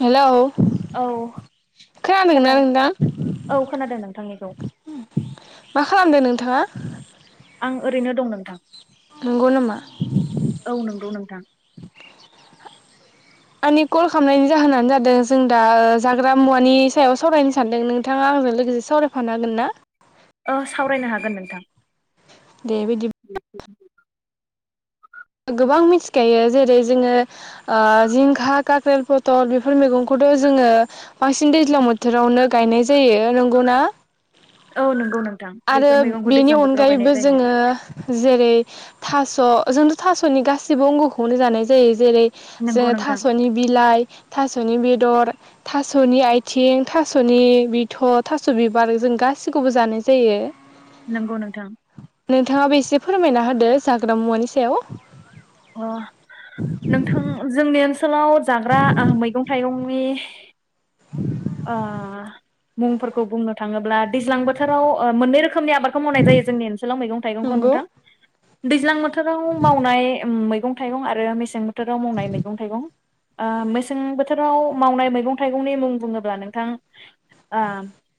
Hello औ खोना खोनादोंना नोंथां औ खोनादों नोंथांनिखौ मा खालामदों नों था आं ओरैनो दं नोंथां नंगौ नामा औ नंगौ नोंथां आंनि कल खालामनायनि जाहोनानो जादों जों दा जाग्रा मुवानि सायाव सावरायनो सानदों नोंथाङा आंजों लोगोसे सावरायफानो हागोन ना ओ सावरायनो हागोन नोंथां दे बिदि [unintelligible] गोबां मिथिखायो जेरै जोङो जिंखा काख्रेल पथल बेफोर मैगंखौथ' जोङो बांसिन दैज्लां बोथोरावनो गायनाय जायो नंगौना औ नंगौ नों आरो बेनि अनगायैबो जोङो जेरै थास' जोंथ' थास'नि गाससिबो अंग'खौनो जानाय जायो जेरै नंगौ जोङ नोंथां थास'नि बिलाइ थास'नि बेद दर थास'नि आथिं थास'नि बिथ' थास' बिबार जों गासिखौबो जानाय जा जायो नंगौ नोंथां नोंथाङाबो एसे फो फोरमायना होदो जाग्रा मुवानि सायाव अ नोंथां जोंनि ओनसो सोलाव जाग्रा मैगं थाइगं बे [inaudible] ओ मुंफोरखौ बुंनो थाङोब्ला दैज्लां बोथोराव मोननै रोखोम खोमनि आबादखौ मावनाय जायो जोंनि ओनसोलाव नंगौ नोंथां। दैज्लां बोथ थोराव मावनाय मैगं थाइगं आरो मेसें बोथोराव मावनाय मैगं थाइगं ओ मेसें बोथोराव मावनाय मैगं थाइगंनि मुं बुङोबा नोंथां ओ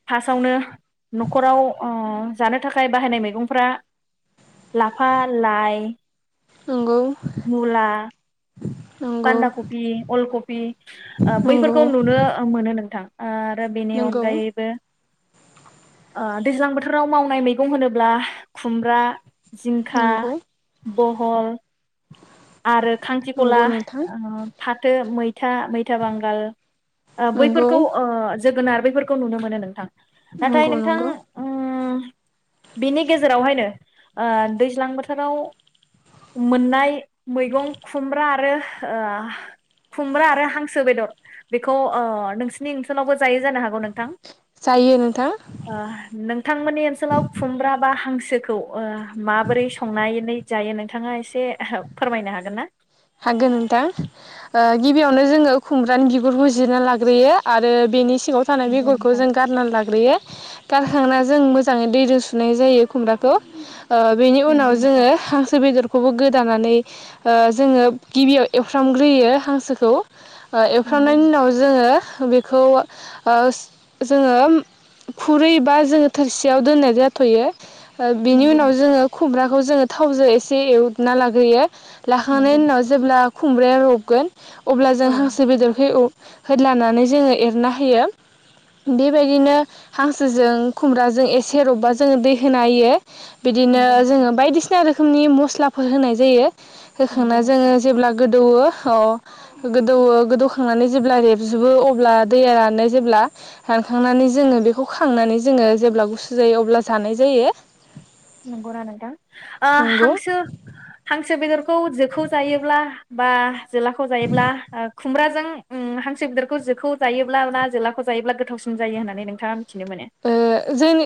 फार्सआवनो न'खराव जानो थाखाय बाहायनाय मैगंफ्रा लाफा लाइ नंगौ मुला नंगौ बान्दा कपि, अलकपि ओ नंगौ बैफोरखौ नुनो मोनो नोंथां। आरो बेनि नंगौ अनगायैबो ओ दैज्लां बोथोराव मावनाय मैगं होनोब्ला खुमब्रा जिंखा, नंगौ बहल आरो खांख्रिख'ला नंगौ नोंथां ओ फाथो मै था मैथा बांगाल ओ नंगौ बैफोरखौ ओ जोगोनार बेफोरखौ नुनो मोनो नोंथां नाथाय नंगौ नोंथां नंगौ उम बेनि गेजेरावहायनो ओ दैज्लां बोथोराव मोननाय मैगं खुमब्रा आरो ओ खुमब्रा आरो हांसो बेदर बेखौ ओ नोंसिनि ओनसोलावबो जायो जानो हागौ नोंथां जायो नोंथां अओ नोंथांमोननि ओनसोलाव खुमब्रा बा हांसो सोखौ ओ माबोरै संनानै जायो नोंथाङा एसे फोरमायनो हागोन ना? हागोन नोंथां ओ गिबियावनो जोङो खुमब्रानि बिगुरखौ जिरना लाग्रोयो आरो बेनि सिङाव थानाय नंगौ बेगरखौ नोंथां जों गारनानै लाग्रोयो। गारखांना जों मोजाङै दैजों सुनाय जायो खुमब्राखौ। ओ बेनि उनाव नंगौ नोंथां जोङो हांसो बेदर खौबो गोदानानै ओ जोङो गिबियाव एवफ्रामग्रोयो हांसोखौ। ओ नंगौ एवफ्रामनायनि उनाव जोङो बेखौ ओ जोङो खुरै बा जोङो थोरसियाव दोननाय जाथ'यो। ओ बिनि नंगौ उनाव नोंथां जोङो खुमब्रा बेखौ जोङो थावजों एसे एवना लाग्रोयो। नंगौ थानायनि उनाव नोंथां जेब्ला खुमब्राया रबगोन अब्ला जों औ हांसो नोंथां बेदरखौ एव होद्लानानै जोङो एरना होयो बेबायदिनो हांसोजों खुमब्राजों एसे रबबा जोङो दै होना होयो। बिदिनो नंगौ नोंथां जोङो बायदिसिना रो रोखोमनि मस्लाफोर होनाय जायो। होखांना नंगौ जोङो नोंथां जेब्ला गो गोदौवो अह गोदौवो गोदौखांनानै जेब्ला रेबजोबो अब्ला दैया रानो जेब्ला रानखांनानै जोङो बेखौ खांनानै जोङो जेब्ला गुसु जायो अब्ला जानाय जायो। नंगौना नोंथां ओ नंगौ हांसो हांसो बेदर खौ जोखौ जायोब्ला बा जोलाखौ जायोब्ला खुमब्राजों उम हांसो बेदरखौ जोखौ जायोब्ला ना जोलाखौ जायोब्ला गोथावसिन जायो होननानै नोंथाङा मिथिनो मोनो ओ जोंनि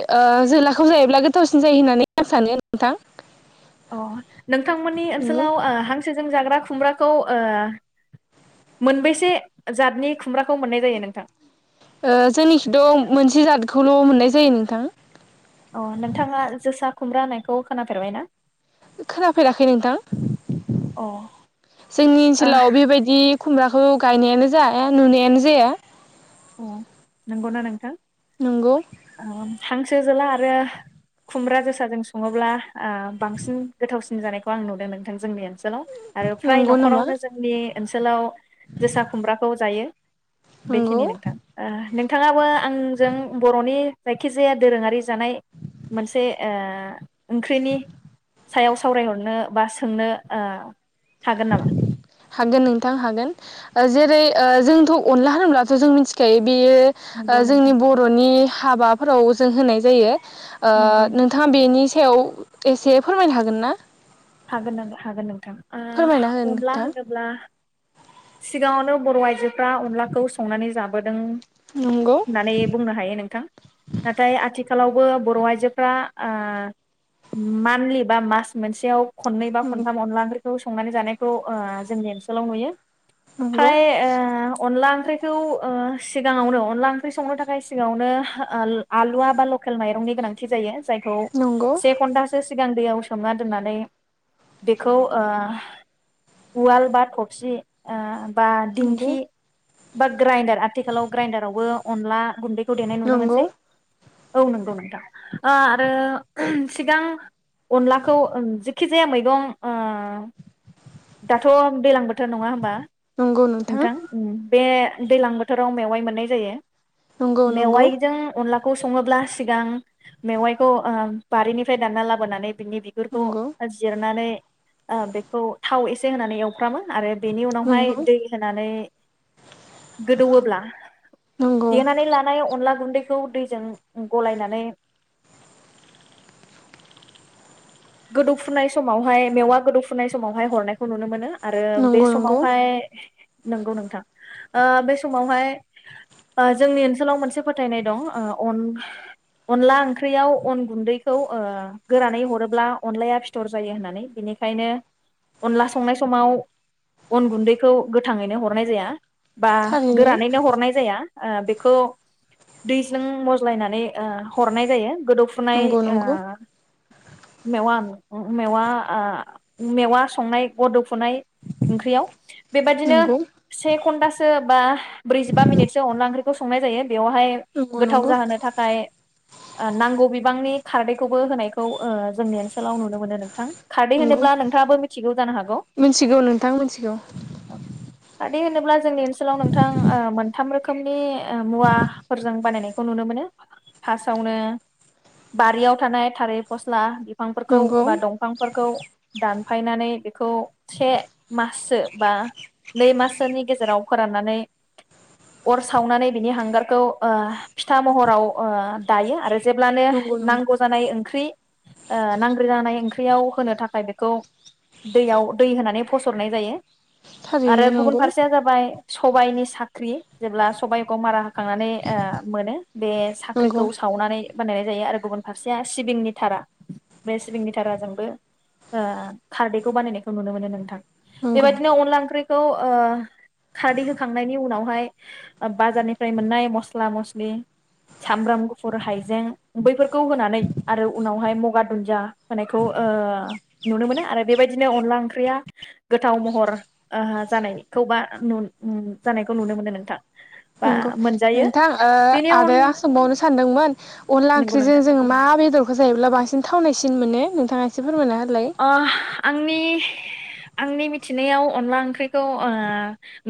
जिला गोथाव जायोब्ला गोथावसिन जायो होननानै आं सानो नोंथां। औ नोंथांमोननि नंगौ ओनसोलाव ओ हां सो जों जाग्रा खुमब्राखौ मोनबेसे जातनि खुमब्राखौ मोननाय जायो नोंथां? जोंनिखिथ' मोनसे जादखौल' मोननाय जायो नोंथां। नोंथाङा जोसा खुमब्रा होनायखौ खोनाफेरबाय ना। खोनाफेराखै नोंथां अ जोंनि ओनसोलाव बेबायदि खुमब्राखौ गायनायानो जाया नुनायानो जाया। अ नंगौना नोंथां। नंगौ। ओम हांसो जोला आरो खुमब्रा जोसाजों संङोब्ला बांसिन गोथावसिन सि जानायखौ आं नुदों नोंथां जोंनि आरो फ्राय नंगौ नामा न'खरावनो जोंनि ओनसोलाव जोसा खुमब्राखौ जायो। नंगौ बेखिनिनो। ओ नोंथांङाबो आंजों बर'नि जायखिजाया दोरोंङारि जानाय मोनसे ओ ओंख्रिनि सायाव सावरायहरनो बा सोंनो ओ हागोन नामा? हागोन नोंथां हागोन ओ जेरै ओ जोंथ' अनला होनोब्लाथ' जों मिथिखायो बेयो ओ नंगौ नोंथां जोंनि बर'नि हाबाफोराव जों होनाय जायो। ओ नंगौ नोंथाङा बेनि सायाव एसे फोरमायनो हागोन ना? हागोन नों हागोन नोंथां। फोरमायना हो ओ अनला नोंथां होनोब्ला सिगांङावनो बर' आइजोफोरा अनलाखौ संनानै जाबोदों नंगौ होननानै बुंनो हायो नोंथां नाथाय आथिखालाव बो बर' आइजोफ्रा ओ मानलि बा मास मोनसेयाव खनै बा नंगौ खनथाम अनला खौ संनानै जानायखौ ओ जोंनि ओनसोलाव नुयो। नंगौ फ्राय ओ अनला ओं ख्रिखौ ओ सिगांङावनो अनला ओंख्रि संनो थाखाय सिगांङावनो आलुवा बा लकेल माइरंनि गोनांथि जायो। जायखौ नंगौ से घण्टासो सि गां दैयाव सोमना दोननानै बेखौ ओ उवाल बा थफसि ओ बा नंगौ दिंखि बा ग्राइन्दार आथिखालाव ग्राइन्दारावबो अनला गुन्दैखौ देनाय नुनो नंगौ मोनसै। औ नंगौ नोंथां ओ आरो सिगां अनलाखौ ओं जि खिजाया मैगं ओ दाथ' दैलां बोथ थोर नंङा होमबा नोंथां? बे दैलां बोथोराव मेवाइ मोननाय जायो। नंगौ नंगौ मेवाइजों अनला खौ संङोब्ला सिगां मेवायखौ ओ बारिनिफ्राय दानना लाबोनानै बिनि बिगुरखौ नंगौ जिरनानै ओ बेखौ थाव एसे होनानै एवफ्रामो आरो बेनि उनावहाय नंगौ दै होनानै गोदौवोब्ला नंगौ देनानानै लानाय अनला गुन्दैखौ दैजों गलायनानै गोदौफुनाय समावहाय मेवा गोदौफुनाय समावहाय हरनायखौ नुनो मोनो। आरो बे नंगौ नंगौ समावहाय नंगौ नोंथां ओ बे समावहाय ओ जोंनि ओनसोलाव मोनसे फोथायनाय दं अन अनला ओंख्रियाव अन गुन्दैखौ ओ गोरानै हरोब्ला अनलाया फिथर जायो होननानै बिनिखायनो अनला संनाय समाव अन गुन्दैखौ गोथाङैनो हरनाय जाया। बा थारैनो गोरानैनो हरनाय जाया। ओ बेखौ दैजों मज्लायनानै हरनाय जायो। गोदौफुनाय नंगौ नंगौ ओ मेवा-मेवा-मेवा संनाय गद गोदौफुनाय ओंख्रियाव बेबायदिनो नंगौ से घण्टासो बा ब्रैजिबा मिनिटसो अनला ओंख्रि खौ संनाय जायो। बेवहाय नंगौ गोथाव नंगौ जाहोनो थाखाय नांगौ बिबांनि खारदैखौबो होनायखौ ओ जोंनि ओनसोलाव नुनो मोनो नोंथां। खारदै नंगौ होनोब्ला नोंथाङाबो मिथिगौ जानो हागौ मिथिगौ नोंथां मिथिगौ। खारदै होनोब्ला जोंनि ओनसोलाव नोंथां ओ मोनथाम रोखोमनि मुवाफोरजों बानायनायखौ नुनो मोनो फास्टावनो बारियाव थानाय थालिर फस्ला बिफांफोरखौ नंगौ बा दंफांफोरखौ दानफायनानै बेखौ से माससो बा नै माससोनि गेजेराव फोराननानै अर सावनानै बिनि हांगारखौ ओ फिथा महराव ओ दायो आरो जेब्लानो नंगौ नंगौ नांगौ जानाय ख्रि ओ नांग्रो जानाय ओंख्रियाव होनो थाखाय बेखौ दैयाव दै होनानै फसरनाय जायो आरो थारैनो गुबुन नंगौ फारसेया जाबाय सबाइनि साख्रि जेब्ला सबायखौ मारा होखांनानै ओ मोनो बे नंगौ साख्रिखौ सावनानै बानायनाय जायो आरो गुबुन फारसेया सिबिंनि थारा बे सिबिंनि थाराजोंबो ओ खारदैखौ बानायनायखौ नुनो मोनो नोंथां नंगौ बेबायदिनो अनला ओंख्रि खौ ओ खारदै होखांनायनि उनावहाय बाजारनिफ्राय मोननाय मस्ला मस्लि सामब्राम गुफुर हाइजें बैफोरखौ होनानै आरो उनावहाय मगाद दुन्जिया होनायखौ ओ नुनो मोनो आरो बेबायदिनो अनला ओंख्रिया गोथाव महर ओ जानायखौ बा जानायखौ नुनो मोनो नोंथां बा नंगौ मोनजायो नोंथां ओ बेनि अन आरो आं सोंबावनो सानदोंमोन अनला नंगौ नोंथां ओंख्रिजों जों मा बेदरखौ जायोब्ला बांसिन थावनायसि दिनमाने नोंथाङा एसे फोरमाय ह अ आंनि आंनि मिथिनायाव अनला ओंख्रिखौ ओ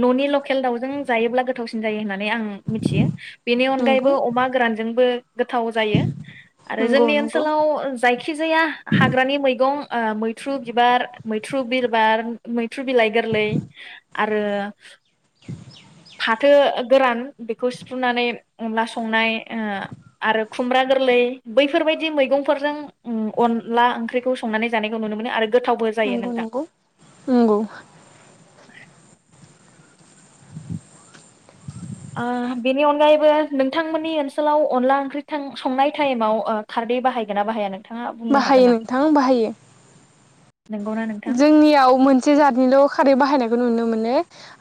ननि लकेल दाउजों जायोब्ला गोथावसिन जायो होननानै आं मिथियो बेनि नंगौ अनगायैबो अमा गोरानजोंबो गोथाव जायो आरो नंगौ जोंनि नंगौ ओनसोलाव जायखिजाया हाग्रानि मैगं ओ मैथ्रु बिबार, मैथ्रु बिरबार मैथ्रु बिलाइ गोरलै आरो फाथो गोरान बेखौ सिफ्रुनानै अनला संनाय ओ आरो खुमब्रा गोरलै बैफोरबायदि मैगंफोरजों ओं अनला ओंख्रिखौ संनानै जानायखौ नुनो मोनो आरो गोथावबो जायो नंगौ नोंथां नंगौ नंगौ ओ बेनि अनगायैबो नोंथांमोननि ओनसोलाव अनला ओंख्रि थां संनाय टाइमाव ओ खारदै बाहायगोन ना बाहाया नों बाहायो नोंथां बाहायो नंगौना नोंथां? जोंनियाव मोनसे जाथनिल खारै बाहायनायखौ नुनो मोनो नो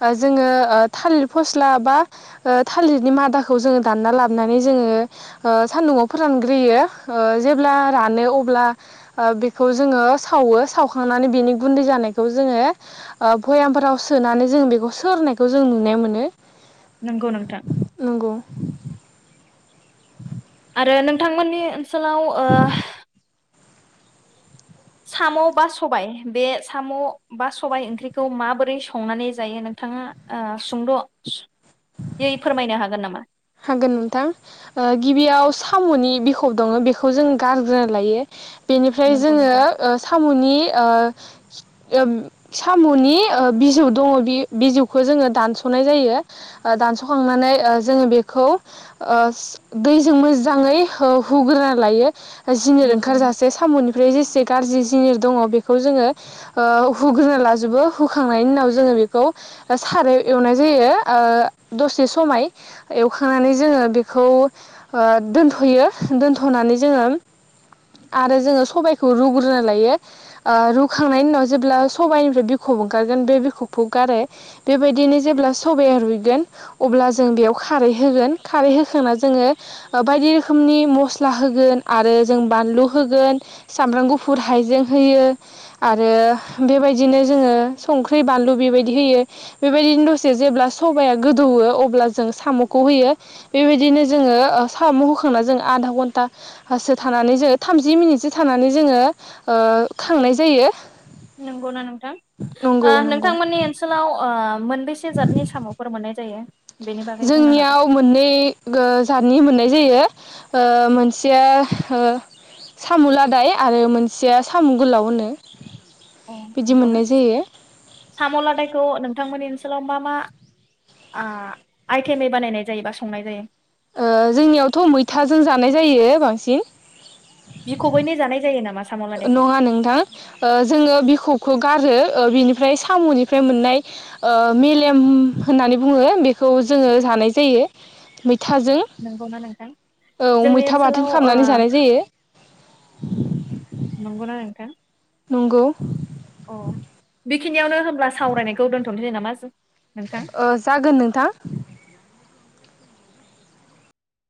ओ जोङो थालिर फस्ला बा ओ थालिरनि मादाखौ जोङो दानना लाबनानै जोङो ओ सान्दुंङाव फोरानग्रोयो ओ जेब्ला रानो अब्ला ओ बेखौ जोङो सावो सावखांनानै बेनि गुन्दै जानायखौ जोङो ओ भयामफोराव सोनानै जों बेखौ सोरनायखौ जों नुनाय मोनो नोंगौ नोंथां नंगौ रो नोंथांमोननि ओ सोलाव ओ साम' बा सबाइ बे साम बा सबाइ ओंख्रिखौ माबोरै संनानै जायो नोंथाङा ओ सुंद यै फोरमायनो हागोन नामा? हागोन नोंथां ओ गिबियाव साम'नि बिखब दङ बेखौ जों गारग्रोना लायो बेनिफ्राय नंगौ जोङो नोंथां ओ सामनि ओ एब सामनि ओ बिजौ दङ बि बिजौखौ जोङो दानसनाय जायो ओ दानसखांनानै ओ जोङो बे खौ ओ दैजों मोजाङै हो हुग्रोना लायो जिनोर नंगौ ओंखारजासे सामनि फ्राय जेसे गाज्रि जिनिर दङ बेखौ जोङो ओ हुग्रोना लाजोबो हुखांनायनि उनाव जोङो बेखौ सारायाव एवनाय जायो ओ दसे समाय एवखांनानै जोङो बेखौ ओ दोनथयो दोनथनानै जोङो आरो जोङो सबाइखौ रुग्रोना लायो ओ रुखांनायनि उनाव जेब्ला सबाइनिफ्राय बिखब ओंखारगोन बे बिखबखौ गारो बेबायदिनो जेब्ला सबाया रुइगोन अब्ला जों बेयाव खारै होगोन खारै होखांना जोङो बायदि रोखोमनि मस्ला होगोन आरो जों बानलु होगोन सामब्राम गुफुर हाइजें होयो आरो बेबायदिनो जोङो संख्रि बानलु बेबायदि होयो बेबायदिनो दसे जेब्ला सबाया गोदौवो अब्ला जों साम खौ होयो बेबायदिनो जोङो साम होखांना जों आधा घन्टा सो थानानै जोङो थामजि मिनिटसो थानानै जोङो ओ खांनाय जायो नंगौना नोंथां नंगौ ओ नंगौ नोंथांमोननि ओनसोलाव ओ मोनबेसे जातनि साम'फोर मोननाय जायो? बेनि बागै बुंनो हागोन? जोंनियाव मोननै गो जातनि मोननाय जायो ओ मोनसेया साम' लादाय आरो मोनसेया साम' गोलाव होनो अ बिदि नंगौना मोननाय जायो साम' लादायखौ नों नोंथांमोननि ओनसोलाव मा मा आ आइटेमै बानायनाय जायो बा संनाय जायो? ओ जोंनियावथ' मैथाजों जानाय जायो बांसिन बिखौबैनो जानाय जायो नामा? साम' लादायखौ नङा नोंथां ओ जोङो बिखब खौ गारो ओ बिनिफ्राय साम'निफ्राय मोननाय मेलेम होननानै बुङो बेखौ जोङो जानाय जायो मै थाजों नंगौना नोंथां औ जोंनि मैथा बाथोन ओनसोलाव ओ खालामनानै जानाय जायो [inaudible] नंगना नोंथां नंगौ अ बेखिनियावनो होनब्ला सावरायनायखौ दोन्थ'नोसैै नामा जों नोंथां ओ जागोन नोंथां